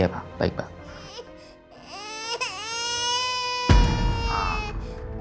ya pak baik pak